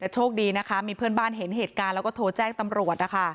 โชคดีมีเพื่อนบ้านเห็นเหตุการณ์และโทรแจ้งตำรวจ